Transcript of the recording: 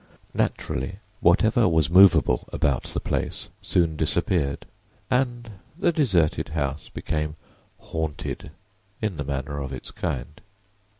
Naturally, whatever was movable about the place soon disappeared and the deserted house became "haunted" in the manner of its kind.